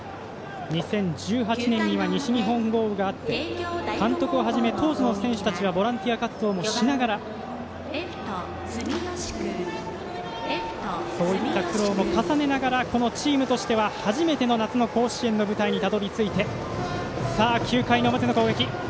２０１８年には西日本豪雨があって監督をはじめ当時の選手たちはボランティア活動もしながらそういった苦労も重ねながらこのチームとしては初めての夏の甲子園の舞台にたどり着いて９回の表の攻撃。